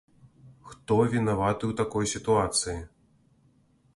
Хто вінаваты ў такой сітуацыі?